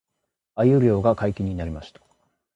鮎漁が解禁になりました